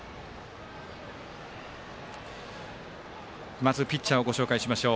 まずピッチャーをご紹介しましょう。